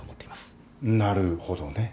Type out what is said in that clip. なるほどね。